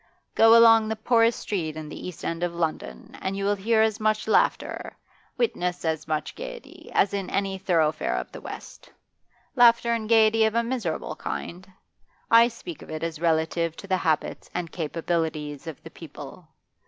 Go along the poorest street in the East End of London, and you will hear as much laughter, witness as much gaiety, as in any thoroughfare of the West. Laughter and gaiety of a miserable kind? I speak of it as relative to the habits and capabilities of the people.